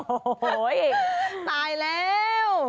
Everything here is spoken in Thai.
โอ้โหตายแล้ว